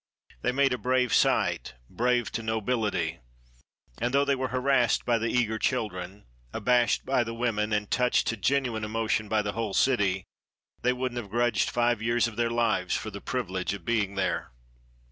They made a brave sight, brave to nobility. And though they were harassed by the eager children, abashed by the women, and touched to genuine emotion by the whole city, they wouldn't have grudged five years of their lives for the privilege of being there.